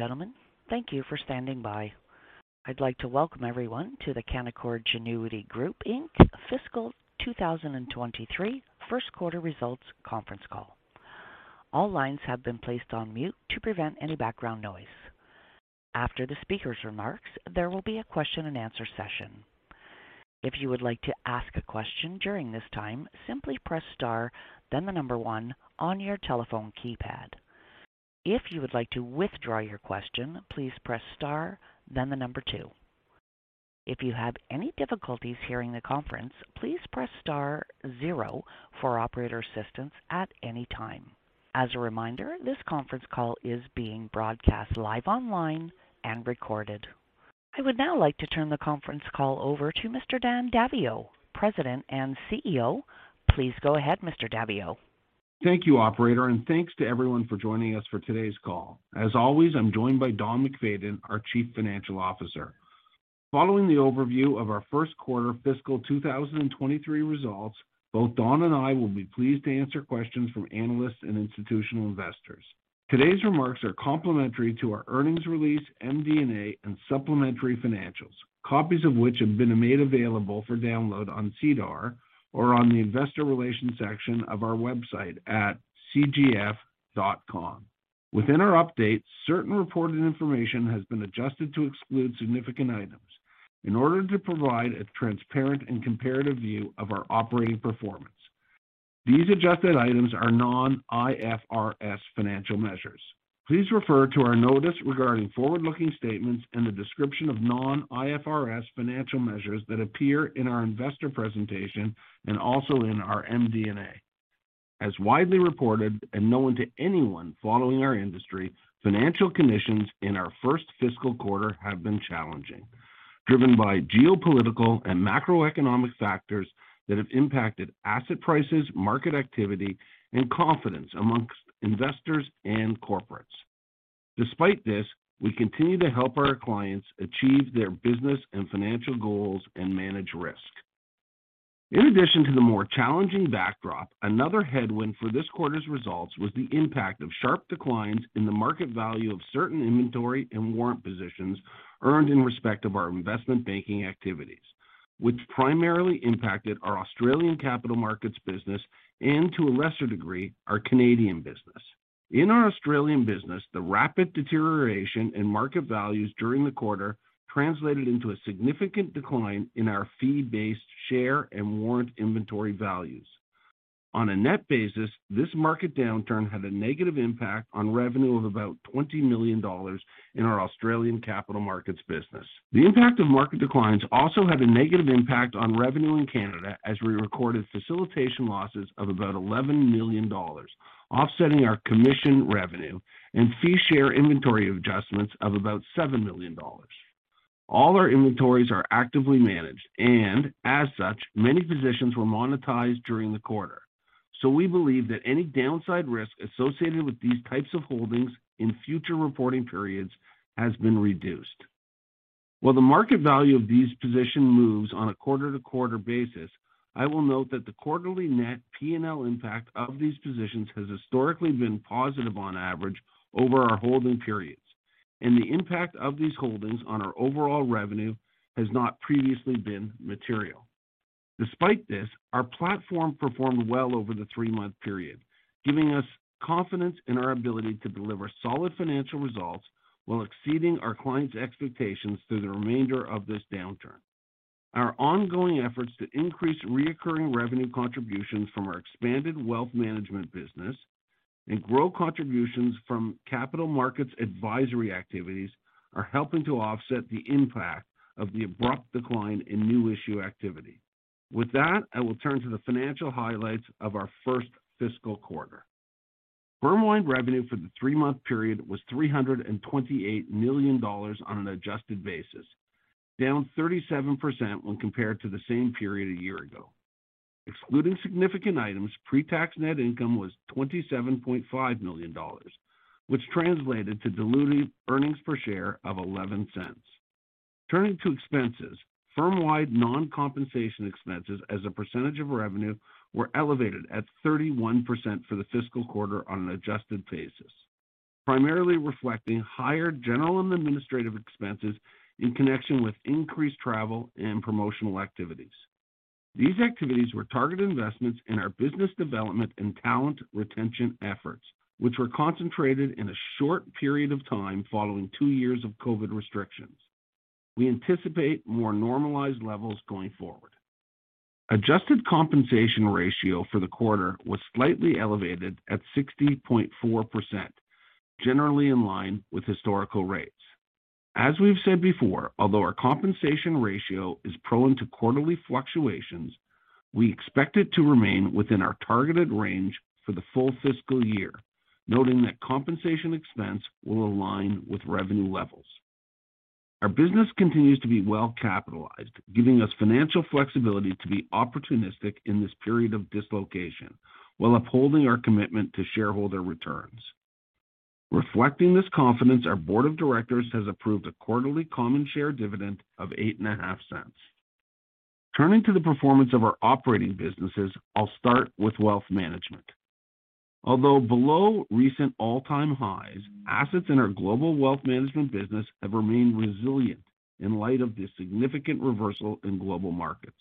Ladies and gentlemen, thank you for standing by. I would like to Welcome everyone to The Canaccord Genuity Group Fiscal 2023 First Quarter Results Conference Call. All lines have been placed on mute to prevent any background noise. After the speaker's remarks, there will be a question-and-answer session. If you would like to ask a question during this time, simply press star, then the number one on your telephone keypad. If you would like to withdraw your question, please press star then the number two. If you have any difficulties hearing the conference, please press star zero for operator assistance at any time. As a reminder, this conference call is being broadcast live online and recorded. I would now like to turn the conference call over to Mr. Dan Daviau, President and CEO. Please go ahead, Mr. Daviau. Thank you, operator, and thanks to everyone for joining us for today's call. As always, I'm joined by Don MacFadyen, our Chief Financial Officer. Following the overview of our first quarter fiscal 2023 results, both Don and I will be pleased to answer questions from analysts and institutional investors. Today's remarks are complementary to our earnings release, MD&A, and supplementary financials, copies of which have been made available for download on SEDAR or on the investor relations section of our website at cgf.com. Within our update, certain reported information has been adjusted to exclude significant items in order to provide a transparent and comparative view of our operating performance. These adjusted items are non-IFRS financial measures. Please refer to our notice regarding forward-looking statements and the description of non-IFRS financial measures that appear in our investor presentation and also in our MD&A. As widely reported and known to anyone following our industry, financial conditions in our first fiscal quarter have been challenging, driven by geopolitical and macroeconomic factors that have impacted asset prices, market activity, and confidence among investors and corporates. Despite this, we continue to help our clients achieve their business and financial goals and manage risk. In addition to the more challenging backdrop, another headwind for this quarter's results was the impact of sharp declines in the market value of certain inventory and warrant positions earned in respect of our investment banking activities, which primarily impacted our Australian capital markets business and to a lesser degree, our Canadian business. In our Australian business, the rapid deterioration in market values during the quarter translated into a significant decline in our fee-based share and warrant inventory values. On a net basis, this market downturn had a negative impact on revenue of about 20 million dollars in our Australian capital markets business. The impact of market declines also had a negative impact on revenue in Canada as we recorded facilitation losses of about 11 million dollars, offsetting our commission revenue and fee share inventory adjustments of about 7 million dollars. All our inventories are actively managed, and as such, many positions were monetized during the quarter. We believe that any downside risk associated with these types of holdings in future reporting periods has been reduced. While the market value of these position moves on a quarter-to-quarter basis, I will note that the quarterly net P&L impact of these positions has historically been positive on average over our holding periods, and the impact of these holdings on our overall revenue has not previously been material. Despite this, our platform performed well over the three-month period, giving us confidence in our ability to deliver solid financial results while exceeding our clients' expectations through the remainder of this downturn. Our ongoing efforts to increase recurring revenue contributions from our expanded wealth management business and grow contributions from capital markets advisory activities are helping to offset the impact of the abrupt decline in new issue activity. With that, I will turn to the financial highlights of our first fiscal quarter. Firm-wide revenue for the three-month period was 328 million dollars on an adjusted basis, down 37% when compared to the same period a year ago. Excluding significant items, pre-tax net income was 27.5 million dollars, which translated to diluted earnings per share of 0.11. Turning to expenses, firm-wide non-compensation expenses as a % of revenue were elevated at 31% for the fiscal quarter on an adjusted basis, primarily reflecting higher general and administrative expenses in connection with increased travel and promotional activities. These activities were targeted investments in our business development and talent retention efforts, which were concentrated in a short period of time following two years of COVID restrictions. We anticipate more normalized levels going forward. Adjusted compensation ratio for the quarter was slightly elevated at 60.4%, generally in line with historical rates. As we've said before, although our compensation ratio is prone to quarterly fluctuations, we expect it to remain within our targeted range for the full fiscal quarter, noting that compensation expense will align with revenue levels. Our business continues to be well capitalized, giving us financial flexibility to be opportunistic in this period of dislocation while upholding our commitment to shareholder returns. Reflecting this confidence, our Board of Directors has approved a quarterly common share dividend of 0.085. Turning to the performance of our operating businesses, I'll start with wealth management. Although below recent all-time highs, assets in our global wealth management business have remained resilient in light of the significant reversal in global markets.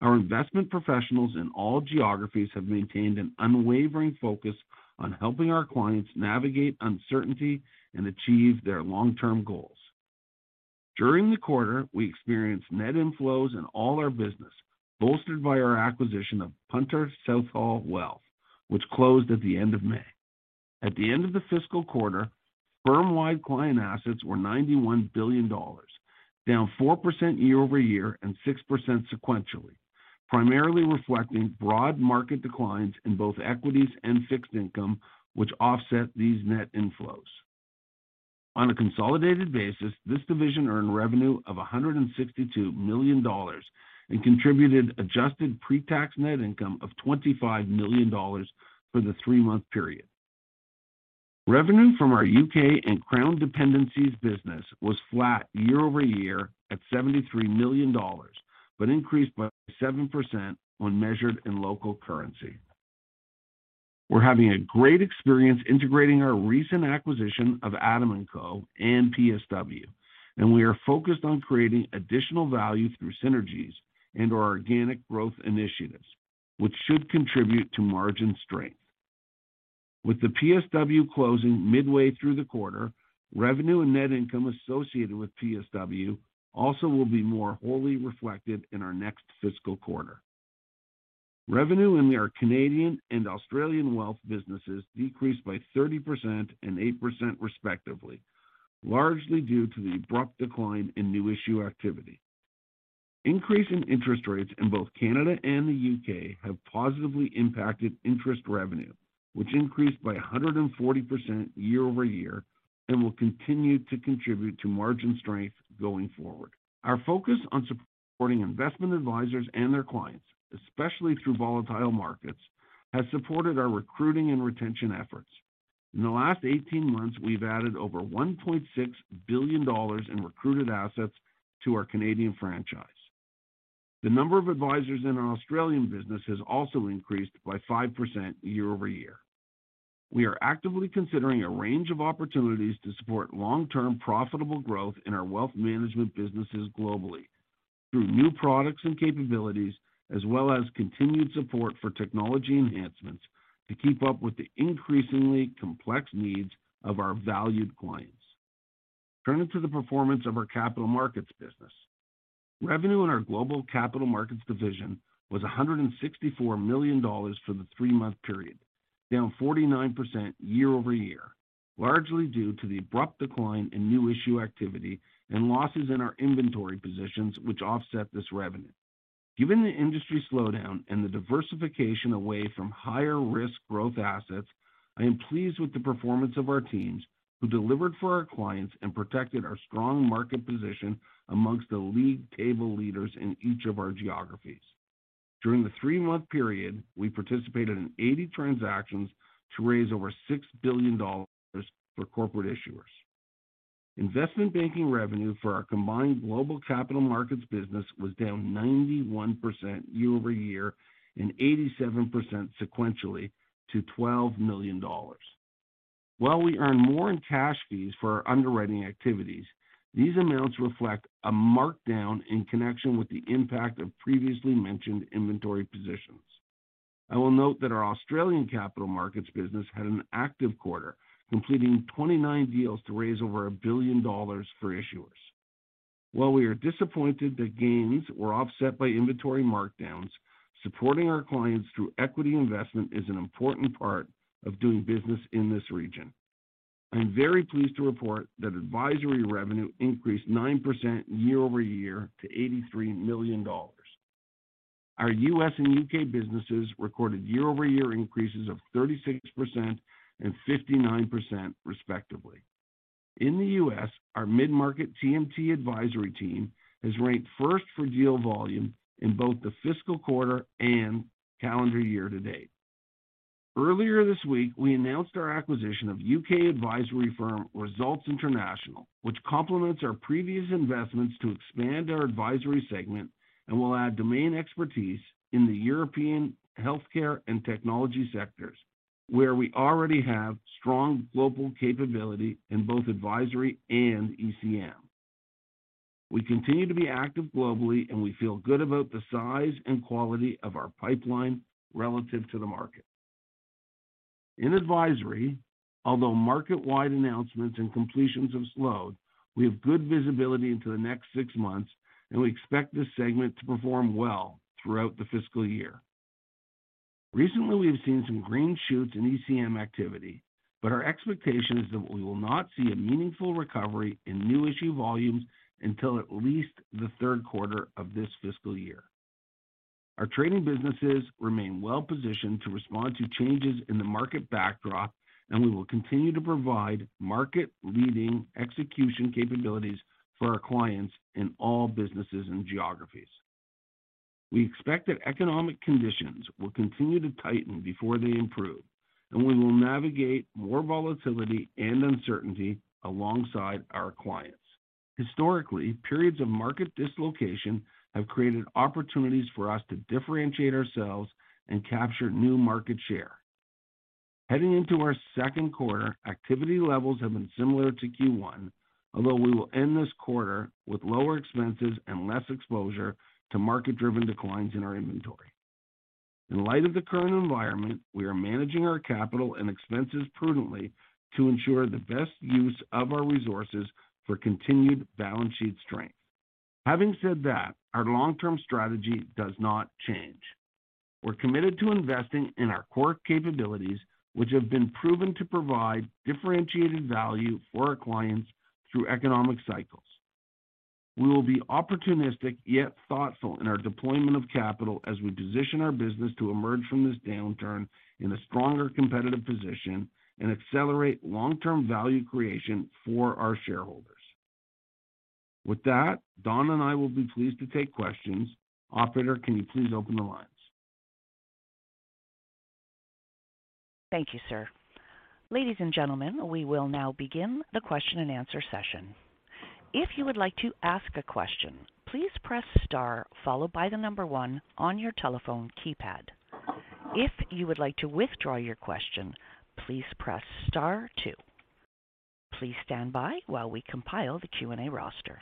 Our investment professionals in all geographies have maintained an unwavering focus on helping our clients navigate uncertainty and achieve their long-term goals. During the quarter, we experienced net inflows in all our business, bolstered by our acquisition of Punter Southall Wealth, which closed at the end of May. At the end of the fiscal quarter, firm-wide client assets were 91 billion dollars, down 4% year-over-year and 6% sequentially, primarily reflecting broad market declines in both equities and fixed income, which offset these net inflows. On a consolidated basis, this division earned revenue of 162 million dollars and contributed adjusted pre-tax net income of 25 million dollars for the three-month period. Revenue from our U.K. and Crown Dependencies business was flat year-over-year at 73 million dollars, but increased by 7% when measured in local currency. We're having a great experience integrating our recent acquisition of Adam & Co and PSW, and we are focused on creating additional value through synergies and our organic growth initiatives, which should contribute to margin strength. With the PSW closing midway through the quarter, revenue and net income associated with PSW also will be more wholly reflected in our next fiscal quarter. Revenue in our Canadian and Australian wealth businesses decreased by 30% and 8% respectively, largely due to the abrupt decline in new issue activity. Increase in interest rates in both Canada and the U.K. have positively impacted interest revenue, which increased by 140% year-over-year and will continue to contribute to margin strength going forward. Our focus on supporting investment advisors and their clients, especially through volatile markets, has supported our recruiting and retention efforts. In the last 18 months, we've added over 1.6 billion dollars in recruited assets to our Canadian franchise. The number of advisors in our Australian business has also increased by 5% year-over-year. We are actively considering a range of opportunities to support long-term profitable growth in our wealth management businesses globally through new products and capabilities, as well as continued support for technology enhancements to keep up with the increasingly complex needs of our valued clients. Turning to the performance of our capital markets business. Revenue in our global capital markets division was 164 million dollars for the three-month period, down 49% year-over-year, largely due to the abrupt decline in new issue activity and losses in our inventory positions which offset this revenue. Given the industry slowdown and the diversification away from higher risk growth assets, I am pleased with the performance of our teams who delivered for our clients and protected our strong market position amongst the league table leaders in each of our geographies. During the three-month period, we participated in 80 transactions to raise over 6 billion dollars for corporate issuers. Investment banking revenue for our combined global capital markets business was down 91% year-over-year and 87% sequentially to 12 million dollars. While we earn more in cash fees for our underwriting activities, these amounts reflect a markdown in connection with the impact of previously mentioned inventory positions. I will note that our Australian capital markets business had an active quarter, completing 29 deals to raise over 1 billion dollars for issuers. While we are disappointed that gains were offset by inventory markdowns, supporting our clients through equity investment is an important part of doing business in this region. I'm very pleased to report that advisory revenue increased 9% year-over-year to 83 million dollars. Our U.S. and U.K. businesses recorded year-over-year increases of 36% and 59% respectively. In the U.S., our mid-market TMT advisory team has ranked first for deal volume in both the fiscal quarter and calendar year to date. Earlier this week, we announced our acquisition of U.K. advisory firm Results International, which complements our previous investments to expand our advisory segment and will add domain expertise in the European healthcare and technology sectors, where we already have strong global capability in both advisory and ECM. We continue to be active globally, and we feel good about the size and quality of our pipeline relative to the market. In advisory, although market-wide announcements and completions have slowed, we have good visibility into the next six months, and we expect this segment to perform well throughout the fiscal year. Recently, we have seen some green shoots in ECM activity, but our expectation is that we will not see a meaningful recovery in new issue volumes until at least the third quarter of this fiscal year. Our trading businesses remain well positioned to respond to changes in the market backdrop, and we will continue to provide market-leading execution capabilities for our clients in all businesses and geographies. We expect that economic conditions will continue to tighten before they improve, and we will navigate more volatility and uncertainty alongside our clients. Historically, periods of market dislocation have created opportunities for us to differentiate ourselves and capture new market share. Heading into our second quarter, activity levels have been similar to Q1, although we will end this quarter with lower expenses and less exposure to market-driven declines in our inventory. In light of the current environment, we are managing our capital and expenses prudently to ensure the best use of our resources for continued balance sheet strength. Having said that, our long-term strategy does not change. We're committed to investing in our core capabilities, which have been proven to provide differentiated value for our clients through economic cycles. We will be opportunistic yet thoughtful in our deployment of capital as we position our business to emerge from this downturn in a stronger competitive position and accelerate long-term value creation for our shareholders. With that, Don and I will be pleased to take questions. Operator, can you please open the lines? Thank you, sir. Ladies and gentlemen, we will now begin the question-and-answer session. If you would like to ask a question, please press star followed by the number one on your telephone keypad. If you would like to withdraw your question, please press star two. Please stand by while we compile the Q&A roster.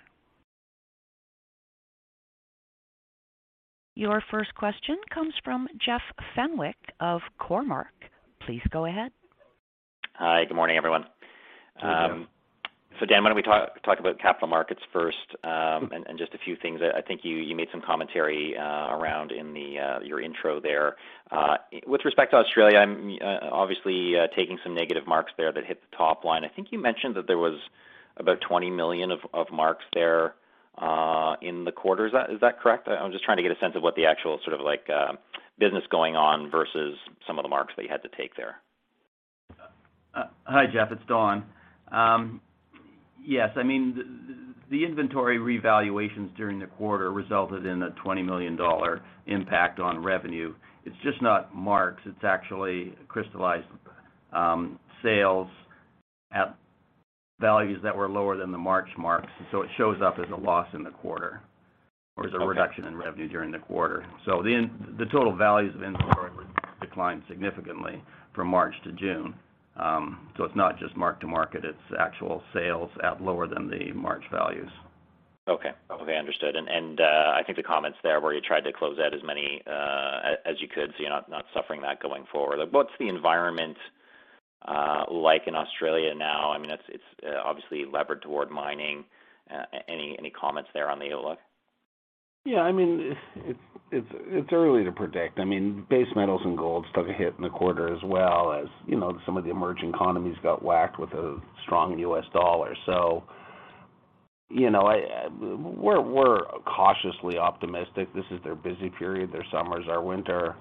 Your first question comes from Jeff Fenwick of Cormark. Please go ahead. Hi, good morning, everyone. Good morning, Jeff. Dan, why don't we talk about capital markets first, and just a few things that I think you made some commentary around in your intro there. With respect to Australia, I'm obviously taking some negative marks there that hit the top line. I think you mentioned that there was about 20 million of marks there in the quarter. Is that correct? I'm just trying to get a sense of what the actual sort of like business going on versus some of the marks that you had to take there. Hi, Jeff. It's Don. Yes. I mean, the inventory revaluations during the quarter resulted in a 20 million dollar impact on revenue. It's just not marks. It's actually crystallized sales at values that were lower than the March marks. It shows up as a loss in the quarter or as a reduction in revenue during the quarter. The total values of inventory declined significantly from March to June. It's not just mark to market, it's actual sales at lower than the March values. Okay. Okay, understood. I think the comments there where you tried to close out as many as you could, so you're not suffering that going forward. What's the environment like in Australia now? I mean, it's obviously levered toward mining. Any comments there on the outlook? Yeah. I mean, it's early to predict. I mean, base metals and gold took a hit in the quarter as well, as you know, some of the emerging economies got whacked with a strong U.S. dollar. So, you know, we're cautiously optimistic. This is their busy period, their summers, our winter,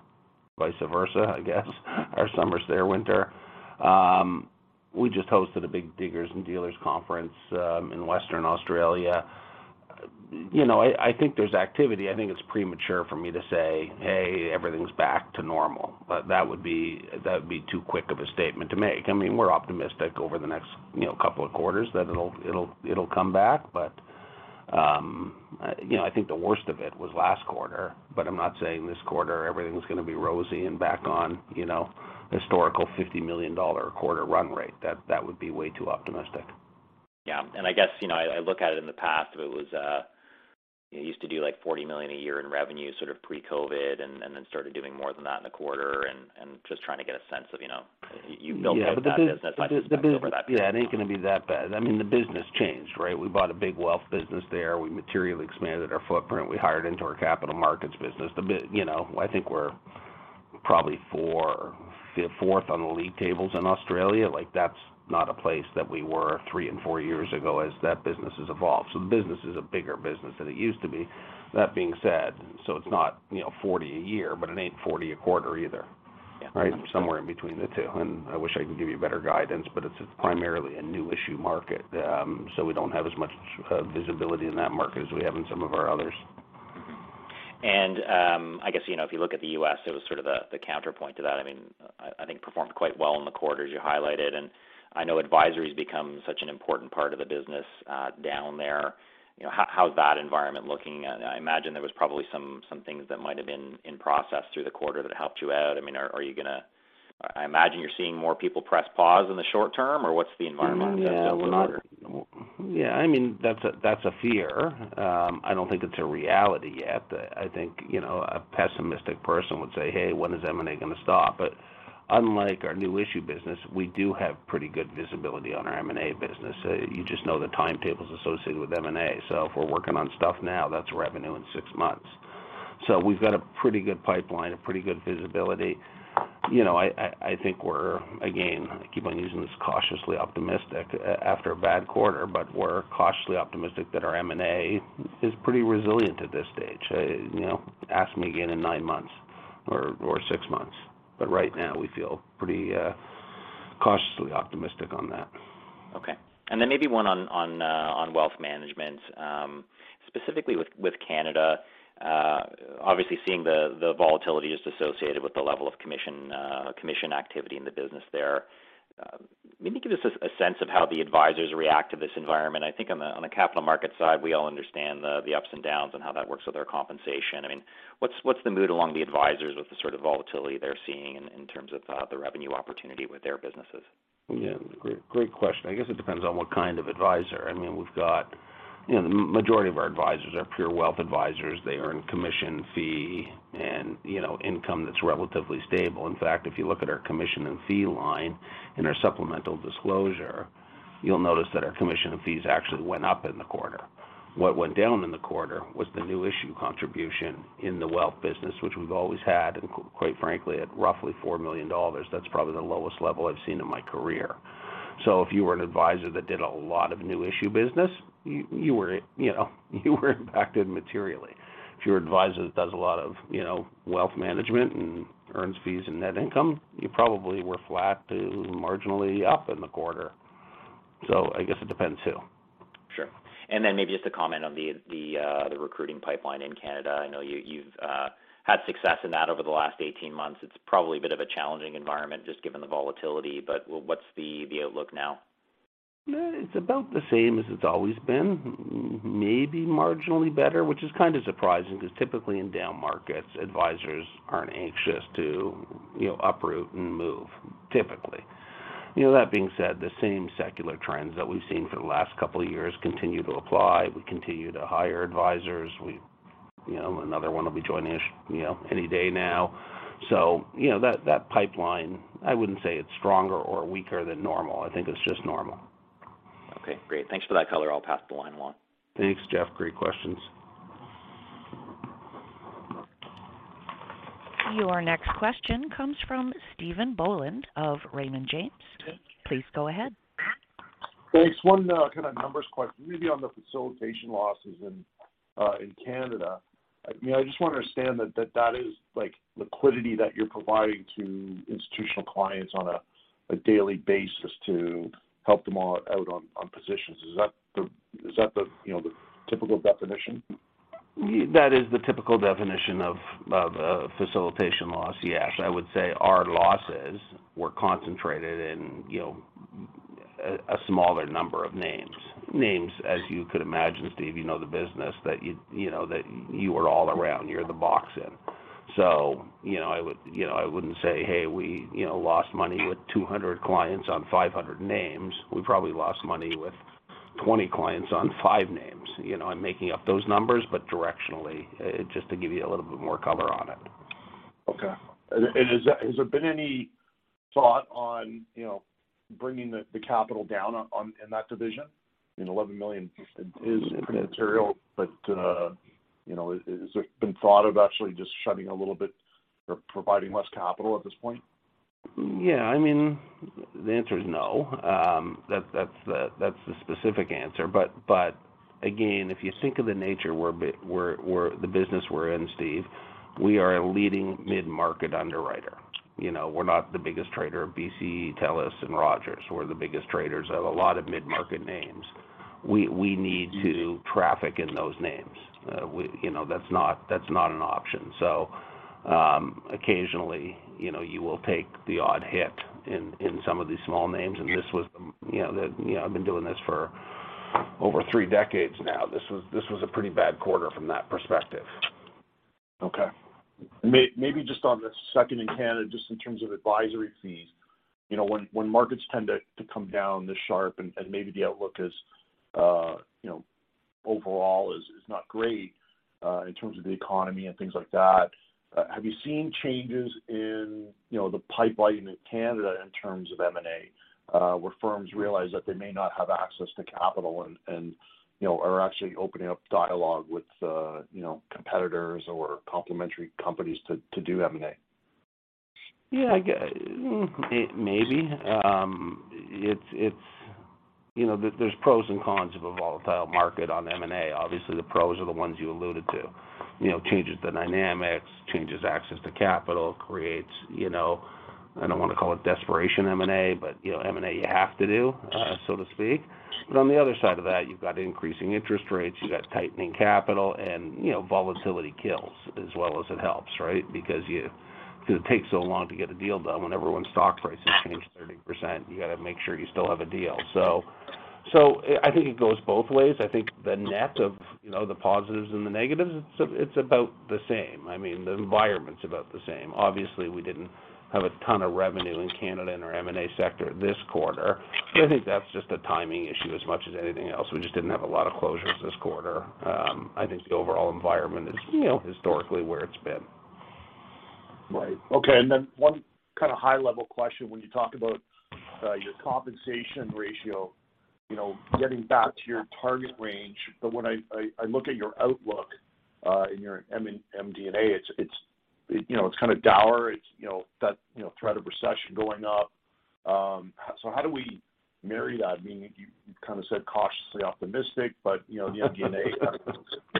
vice versa, I guess. Our summers, their winter. We just hosted a big Diggers & Dealers Conference in Western Australia. You know, I think there's activity. I think it's premature for me to say, "Hey, everything's back to normal." But that would be too quick of a statement to make. I mean, we're optimistic over the next, you know, couple of quarters that it'll come back. You know, I think the worst of it was last quarter, but I'm not saying this quarter, everything's gonna be rosy and back on, you know, historical 50 million dollar a quarter run rate. That would be way too optimistic. Yeah. I guess, you know, I look at it in the past. If it was, you used to do, like, 40 million a year in revenue, sort of pre-COVID, and then started doing more than that in a quarter. Just trying to get a sense of, you know, you built out that business. Yeah. I suspect over that period. Yeah, it ain't gonna be that bad. I mean, the business changed, right? We bought a big wealth business there. We materially expanded our footprint. We hired into our capital markets business. You know, I think we're probably fourth on the league tables in Australia. Like, that's not a place that we were three and four years ago as that business has evolved. The business is a bigger business than it used to be. That being said, it's not, you know, 40 a year, but it ain't 40 a quarter either. Yeah. Right? Somewhere in between the two. I wish I could give you better guidance, but it's primarily a new issue market. We don't have as much visibility in that market as we have in some of our others. Mm-hmm. I guess, you know, if you look at the U.S., it was sort of the counterpoint to that. I mean, I think it performed quite well in the quarter as you highlighted. I know advisory's become such an important part of the business down there. You know, how's that environment looking? I imagine there was probably some things that might have been in process through the quarter that helped you out. I mean, I imagine you're seeing more people press pause in the short term, or what's the environment like there for the quarter? Yeah, I mean, that's a fear. I don't think it's a reality yet. I think, you know, a pessimistic person would say, "Hey, when is M&A gonna stop?" Unlike our new issue business, we do have pretty good visibility on our M&A business. You just know the timetables associated with M&A. If we're working on stuff now, that's revenue in six months. We've got a pretty good pipeline, a pretty good visibility. You know, I think we're, again, I keep on using this cautiously optimistic after a bad quarter, but we're cautiously optimistic that our M&A is pretty resilient at this stage. You know, ask me again in nine months or six months. Right now we feel pretty cautiously optimistic on that. Okay. Maybe one on wealth management, specifically with Canada. Obviously, the volatility associated with the level of commission activity in the business there. Maybe give us a sense of how the advisors react to this environment. I think on the capital market side, we all understand the ups and downs and how that works with their compensation. I mean, what's the mood among the advisors with the sort of volatility they're seeing in terms of the revenue opportunity with their businesses? Yeah. Great, great question. I guess it depends on what kind of advisor. I mean, we've got you know, the majority of our advisors are pure wealth advisors. They earn commission fee and, you know, income that's relatively stable. In fact, if you look at our commission and fee line in our supplemental disclosure, you'll notice that our commission and fees actually went up in the quarter. What went down in the quarter was the new issue contribution in the wealth business which we've always had, and quite frankly, at roughly 4 million dollars, that's probably the lowest level I've seen in my career. If you were an advisor that did a lot of new issue business, you were, you know, you were impacted materially. If you're an advisor that does a lot of, you know, wealth management and earns fees and net income, you probably were flat to marginally up in the quarter. I guess it depends who. Sure. Maybe just a comment on the recruiting pipeline in Canada. I know you've had success in that over the last 18 months. It's probably a bit of a challenging environment just given the volatility, but what's the outlook now? It's about the same as it's always been. Maybe marginally better, which is kind of surprising because typically in down markets, advisors aren't anxious to, you know, uproot and move, typically. You know, that being said, the same secular trends that we've seen for the last couple of years continue to apply. We continue to hire advisors. We, you know, another one will be joining us, you know, any day now. You know, that pipeline, I wouldn't say it's stronger or weaker than normal. I think it's just normal. Okay, great. Thanks for that color. I'll pass the line along. Thanks, Jeff. Great questions. Your next question comes from Stephen Boland of Raymond James. Please go ahead. Thanks. One kind of numbers question, maybe on the facilitation losses in Canada. I mean, I just want to understand that that is like liquidity that you're providing to institutional clients on a daily basis to help them all out on positions. Is that the, you know, the typical definition? That is the typical definition of facilitation loss. Yes. I would say our losses were concentrated in you know a smaller number of names. Names, as you could imagine, Stephen, you know the business that you know that you are all around. You're the boss in. You know, I wouldn't say, "Hey, we, you know, lost money with 200 clients on 500 names." We probably lost money with 20 clients on five names. You know, I'm making up those numbers, but directionally just to give you a little bit more color on it. Okay. Has there been any thought on, you know, bringing the capital down on in that division? I mean, 11 million is pretty material, but you know, is there been thought of actually just shutting a little bit or providing less capital at this point? Yeah, I mean, the answer is no. That's the specific answer. If you think of the nature of the business we're in, Steven, we are a leading mid-market underwriter. You know, we're not the biggest trader of BCE, TELUS, and Rogers. We're the biggest traders of a lot of mid-market names. We need to traffic in those names. You know, that's not an option. So, occasionally, you know, you will take the odd hit in some of these small names. You know, I've been doing this for over three decades now. This was a pretty bad quarter from that perspective. Okay. Maybe just on the second in Canada, just in terms of advisory fees. You know, when markets tend to come down this sharp and maybe the outlook is, you know, overall is not great in terms of the economy and things like that, have you seen changes in, you know, the pipeline in Canada in terms of M&A, where firms realize that they may not have access to capital and, you know, are actually opening up dialogue with, you know, competitors or complementary companies to do M&A? Maybe it's, you know, there are pros and cons of a volatile market on M&A. Obviously, the pros are the ones you alluded to. You know, changes the dynamics, changes access to capital, creates, you know, I don't want to call it desperation M&A, but, you know, M&A you have to do, so to speak. On the other side of that, you've got increasing interest rates, you've got tightening capital, and, you know, volatility kills as well as it helps, right? Because it takes so long to get a deal done. When everyone's stock prices change 30%, you got to make sure you still have a deal. I think it goes both ways. I think the net of, you know, the positives and the negatives, it's about the same. I mean, the environment's about the same. Obviously, we didn't have a ton of revenue in Canada in our M&A sector this quarter. I think that's just a timing issue as much as anything else. We just didn't have a lot of closures this quarter. I think the overall environment is, you know, historically where it's been. Right. Okay. Then one kind of high level question when you talk about your compensation ratio, you know, getting back to your target range. When I look at your outlook in your MD&A, it's, you know, it's kind of dour. It's, you know, that threat of recession going up. How do we, Mary, I mean, you kind of said cautiously optimistic, but you know the DNA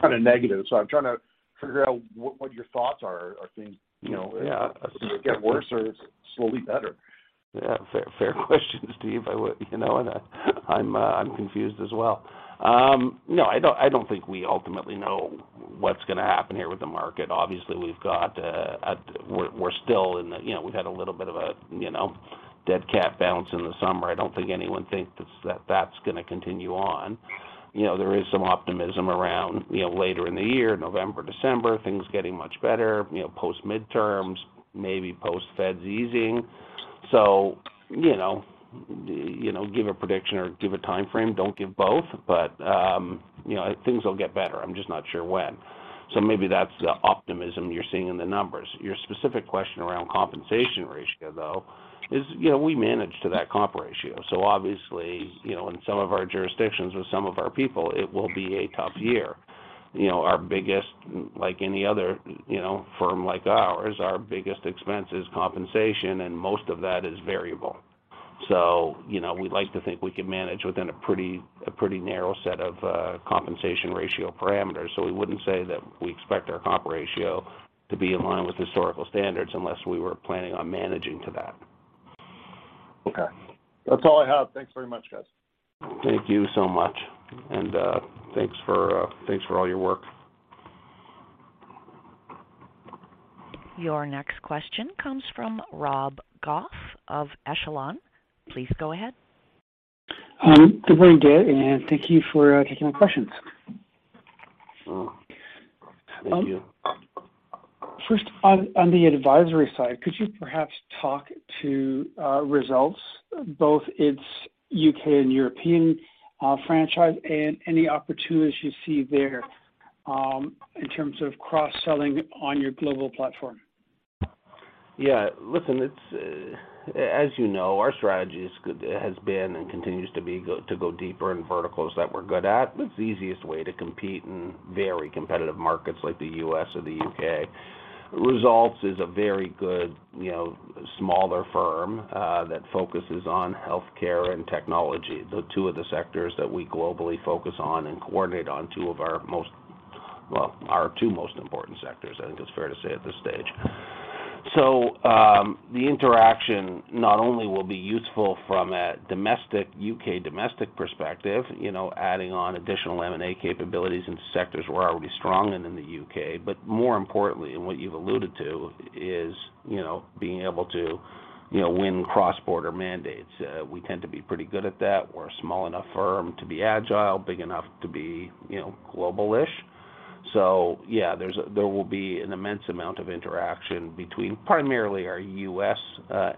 kind of negative. I'm trying to figure out what your thoughts are. Are things, you know Yeah. Does it get worse or is it slowly better? Yeah, fair question, Stephen. You know, and I'm confused as well. No, I don't think we ultimately know what's gonna happen here with the market. Obviously, you know, we've had a little bit of a, you know, dead cat bounce in the summer. I don't think anyone thinks that that's gonna continue on. You know, there is some optimism around, you know, later in the year, November, December, things getting much better, you know, post-midterms, maybe post-Fed easing. You know, give a prediction or give a timeframe, don't give both. You know, things will get better. I'm just not sure when. Maybe that's the optimism you're seeing in the numbers. Your specific question around compensation ratio, though, is, you know, we manage to that comp ratio. Obviously, you know, in some of our jurisdictions with some of our people, it will be a tough year. You know, our biggest, like any other, you know, firm like ours, our biggest expense is compensation, and most of that is variable. You know, we'd like to think we can manage within a pretty narrow set of compensation ratio parameters. We wouldn't say that we expect our comp ratio to be in line with historical standards unless we were planning on managing to that. Okay. That's all I have. Thanks very much, guys. Thank you so much. Thanks for all your work. Your next question comes from Rob Goff of Echelon. Please go ahead. Good morning, Dave, and thank you for taking my questions. Oh, thank you. First, on the advisory side, could you perhaps talk to Results, both its U.K. and European franchise and any opportunities you see there, in terms of cross-selling on your global platform? Yeah. Listen, it's as you know, our strategy is good. It has been and continues to be to go deeper in verticals that we're good at. That's the easiest way to compete in very competitive markets like the U.S. or the U.K. Results is a very good, you know, smaller firm that focuses on healthcare and technology, the two of the sectors that we globally focus on and coordinate on two of our most, well, our two most important sectors, I think it's fair to say at this stage. The interaction not only will be useful from a domestic U.K. domestic perspective, you know, adding on additional M&A capabilities in sectors we're already strong in in the U.K. More importantly, and what you've alluded to, is, you know, being able to, you know, win cross-border mandates. We tend to be pretty good at that. We're a small enough firm to be agile, big enough to be, you know, global-ish. Yeah, there will be an immense amount of interaction between primarily our U.S.,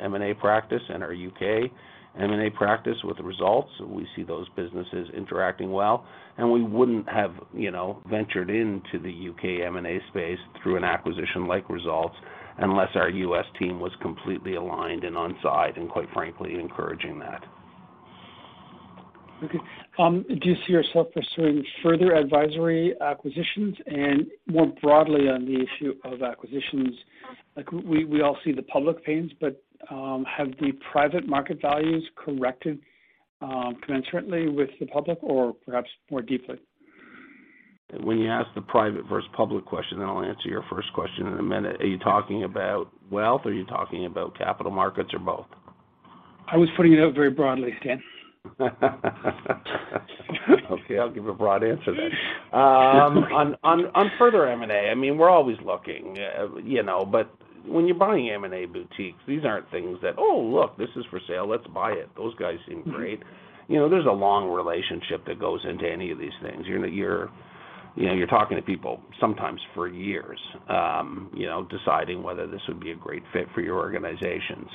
M&A practice and our U.K. M&A practice with Results. We see those businesses interacting well. We wouldn't have, you know, ventured into the U.K. M&A space through an acquisition like Results unless our US team was completely aligned and on-side and, quite frankly, encouraging that. Okay. Do you see yourself pursuing further advisory acquisitions? More broadly on the issue of acquisitions, like, we all see the public pains, but have the private market values corrected concurrently with the public or perhaps more deeply? When you ask the private versus public question, then I'll answer your first question in a minute. Are you talking about wealth? Are you talking about capital markets or both? I was putting it out very broadly, Stan. Okay, I'll give a broad answer then. On further M&A, I mean, we're always looking, you know. When you're buying M&A boutiques, these aren't things that, "Oh, look, this is for sale. Let's buy it. Those guys seem great." You know, there's a long relationship that goes into any of these things. You're, you know, you're talking to people sometimes for years, you know, deciding whether this would be a great fit for your organization.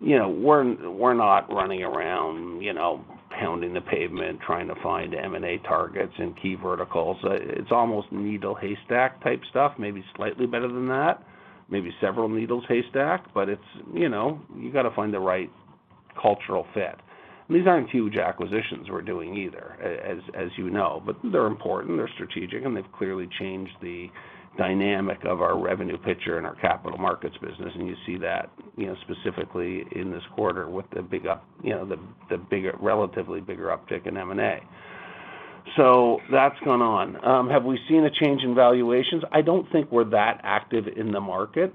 You know, we're not running around, you know, pounding the pavement, trying to find M&A targets in key verticals. It's almost needle haystack type stuff, maybe slightly better than that. Maybe several needles haystack. It's, you know, you gotta find the right cultural fit. These aren't huge acquisitions we're doing either, as you know, but they're important, they're strategic, and they've clearly changed the dynamic of our revenue picture and our capital markets business. You see that, you know, specifically in this quarter with the big up, you know, the bigger, relatively bigger uptick in M&A. That's gone on. Have we seen a change in valuations? I don't think we're that active in the market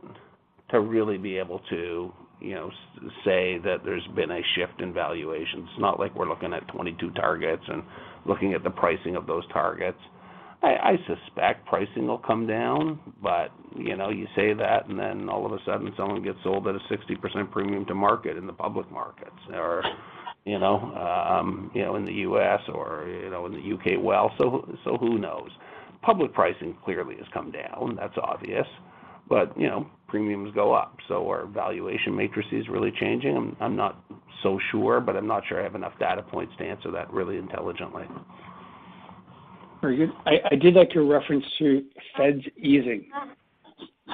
to really be able to, you know, say that there's been a shift in valuations. It's not like we're looking at 22 targets and looking at the pricing of those targets. I suspect pricing will come down, but you know, you say that and then all of a sudden someone gets sold at a 60% premium to market in the public markets or, you know, in the U.S. or, you know, in the U.K., well. Who knows? Public pricing clearly has come down. That's obvious. Premiums go up, so are valuation matrices really changing? I'm not so sure, but I'm not sure I have enough data points to answer that really intelligently. Very good. I did like your reference to Fed easing.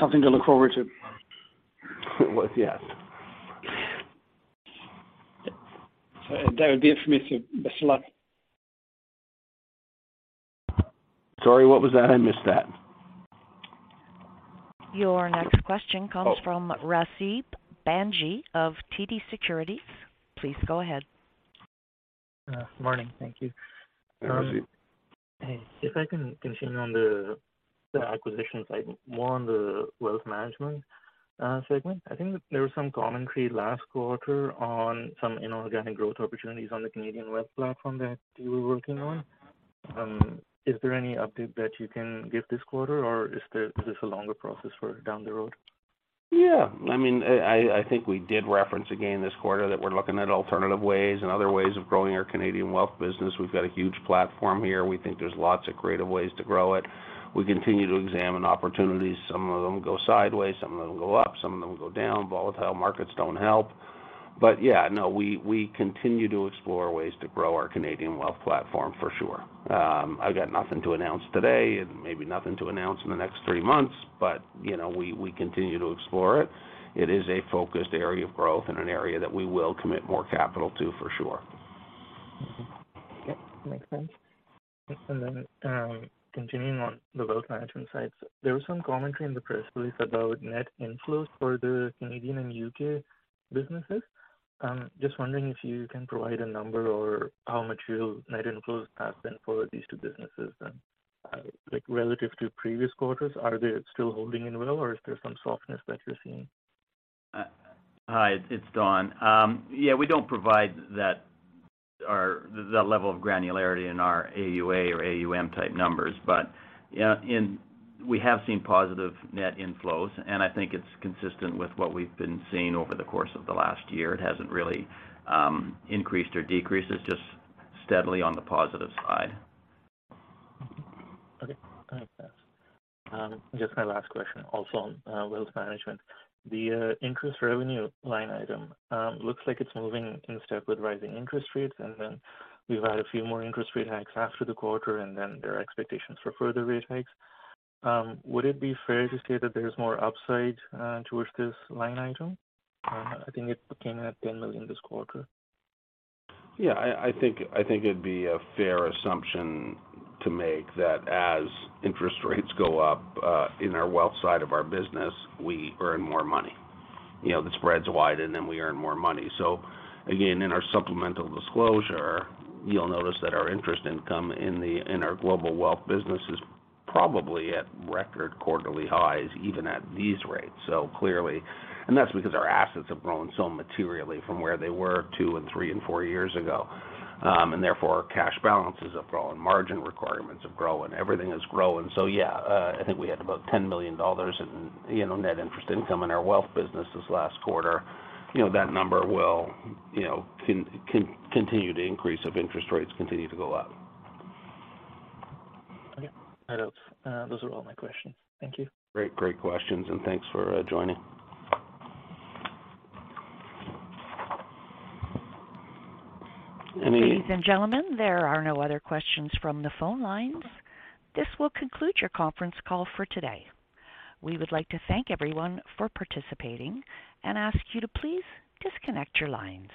Something to look forward to. Well, yes. That would be it for me, so best of luck. Sorry, what was that? I missed that. Your next question comes from Rasib Bhanji of TD Securities. Please go ahead. Morning. Thank you. Hi, Rasib. Hey. If I can continue on the acquisition side, more on the wealth management segment. I think there was some commentary last quarter on some inorganic growth opportunities on the Canadian wealth platform that you were working on. Is there any update that you can give this quarter, or is this a longer process for down the road? Yeah. I mean, I think we did reference again this quarter that we're looking at alternative ways and other ways of growing our Canadian wealth business. We've got a huge platform here. We think there's lots of creative ways to grow it. We continue to examine opportunities. Some of them go sideways, some of them go up, some of them go down. Volatile markets don't help. Yeah, no, we continue to explore ways to grow our Canadian wealth platform for sure. I've got nothing to announce today and maybe nothing to announce in the next three months but, you know, we continue to explore it. It is a focused area of growth and an area that we will commit more capital to for sure. Yep, makes sense. Continuing on the wealth management side, there was some commentary in the press release about net inflows for the Canadian and U.K. businesses. Just wondering if you can provide a number or how much your net inflows have been for these two businesses then. Like relative to previous quarters, are they still holding up well, or is there some softness that you're seeing? Hi, it's Don. Yeah, we don't provide that or the level of granularity in our AUA or AUM type numbers. Yeah, we have seen positive net inflows, and I think it's consistent with what we've been seeing over the course of the last year. It hasn't really increased or decreased. It's just steadily on the positive side. Okay. Just my last question, also on wealth management. The interest revenue line item looks like it's moving in step with rising interest rates, and then we've had a few more interest rate hikes after the quarter, and then there are expectations for further rate hikes. Would it be fair to say that there's more upside towards this line item? I think it came at 10 million this quarter. Yeah, I think it'd be a fair assumption to make that as interest rates go up, in our wealth side of our business, we earn more money. You know, the spreads widen, and we earn more money. Again, in our supplemental disclosure, you'll notice that our interest income in our global wealth business is probably at record quarterly highs, even at these rates. That's because our assets have grown so materially from where they were two, three, and four years ago. Therefore cash balances have grown, margin requirements have grown, everything has grown. Yeah, I think we had about 10 million dollars in, you know, net interest income in our wealth business this last quarter. You know, that number will, you know, continue to increase if interest rates continue to go up. Okay. That helps. Those are all my questions. Thank you. Great. Great questions, and thanks for joining. Ladies and gentlemen, there are no other questions from the phone lines. This will conclude your conference call for today. We would like to thank everyone for participating and ask you to please disconnect your lines.